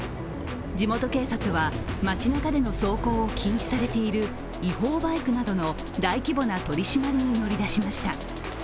地元警察は、街なかでの走行を禁止されている違法バイクなどの大規模な取り締まりに乗り出しました。